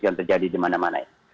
yang terjadi di mana mana